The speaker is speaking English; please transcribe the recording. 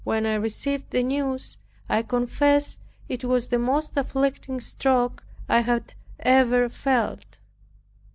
When I received this news, I confess it was the most afflicting stroke I had ever felt.